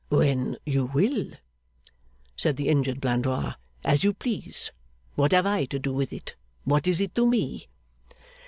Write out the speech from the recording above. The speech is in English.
'When you will,' said the injured Blandois, 'as you please. What have I to do with it? What is it to me?